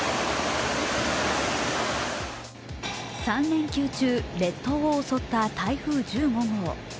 ３連休中、列島を襲った台風１５号。